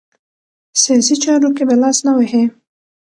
سیاسي چارو کې به لاس نه وهي.